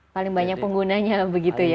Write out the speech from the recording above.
paling banyak penggunanya begitu ya